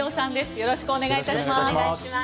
よろしくお願いします。